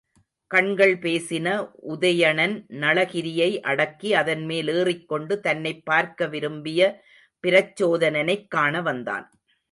கண்கள் பேசின உதயணன் நளகிரியை அடக்கி அதன்மேல் ஏறிக் கொண்டு தன்னைப் பார்க்க விரும்பிய பிரச்சோதனனைக் காண வந்தான்.